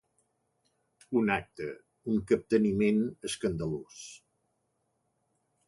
Un acte, un capteniment, escandalós.